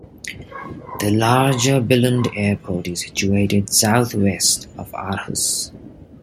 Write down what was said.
The larger Billund Airport is situated south-west of Aarhus.